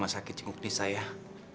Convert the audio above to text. mengharusin dengan qued media an danku